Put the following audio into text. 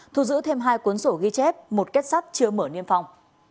thu giữ thêm hai cuốn sổ ghi chép một kết sắt chưa mở niêm phòng